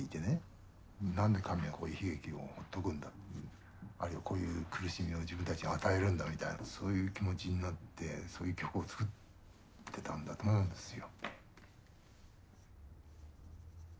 何で神はこういう悲劇を説くんだあるいはこういう苦しみを自分たちに与えるんだみたいなそういう気持ちになってそういう曲を作ってたんだと思うんですよ。